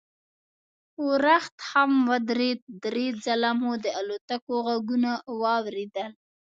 ورښت هم ودرېد، درې ځله مو د الوتکو غږونه واورېدل.